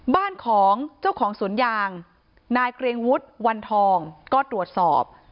บ้านของเจ้าของสวนยางนายเกรียงวุฒิวันทองก็ตรวจสอบ